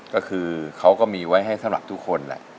ก็คือเขาก็มีไว้ให้สำหรับทุกคนแหละ